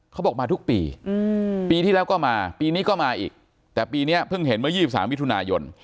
เขาบอกมาทุกปีปีที่แล้วก็มาปีนี้ก็มาอีกแต่ปีนี้เพิ่งเห็นเมื่อ๒๓มิถุนายน